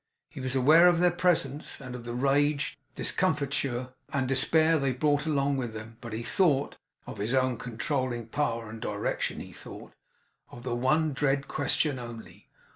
He was aware of their presence, and of the rage, discomfiture, and despair, they brought along with them; but he thought of his own controlling power and direction he thought of the one dread question only.